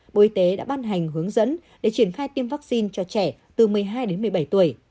bộ y tế đã ban hành hướng dẫn để triển khai tiêm vaccine cho trẻ từ một mươi hai đến một mươi bảy tuổi